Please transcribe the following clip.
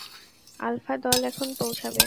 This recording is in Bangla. আলফা দল এখন পৌঁছাবে।